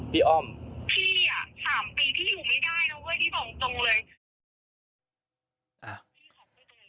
พี่บอกจริงเลย